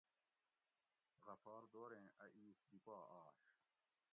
غفار دوریں اۤ ایس دی پا آش